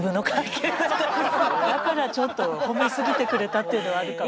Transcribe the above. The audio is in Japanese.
だからちょっと褒め過ぎてくれたというのはあるかも。